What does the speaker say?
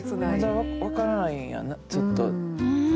まだ分からないんやなちょっと。